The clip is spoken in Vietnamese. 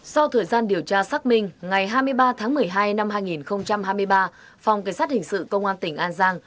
sau thời gian điều tra xác minh ngày hai mươi ba tháng một mươi hai năm hai nghìn hai mươi ba phòng cảnh sát hình sự công an tỉnh an giang